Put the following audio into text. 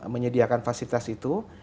menyediakan fasilitas itu